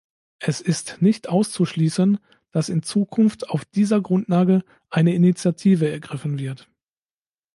Es ist nicht auszuschließen, dass in Zukunft auf dieser Grundlage eine Initiative ergriffen wird.